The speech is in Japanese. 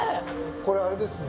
これあれですね。